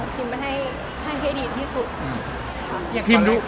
ของพิมให้ดีที่สุด